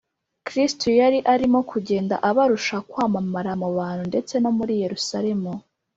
Kristo yari arimo kugenda abarusha kwamamara mu bantu ndetse no muri Yerusalemu